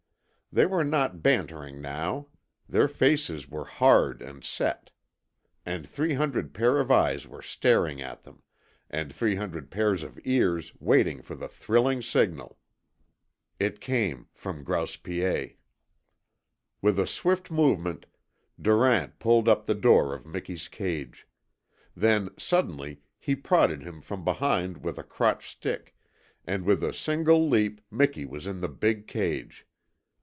They were not bantering now. Their faces were hard and set. And three hundred pairs of eyes were staring at them, and three hundred pairs of ears waiting for the thrilling signal. It came from Grouse Piet. With a swift movement Durant pulled up the door of Miki's cage. Then, suddenly, he prodded him from behind with a crotched stick, and with a single leap Miki was in the big cage.